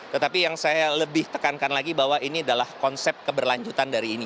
tetapi yang saya lebih tekankan lagi bahwa ini adalah konsep keberlanjutan dari ini